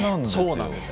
そうなんです。